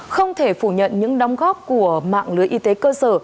không thể phủ nhận những đóng góp của mạng lưới y tế cơ sở